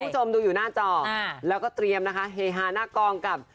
คุณผู้ชมดูอยู่หน้าจอแล้วก็เตรียมนะคะเฮฮาหน้ากองกับ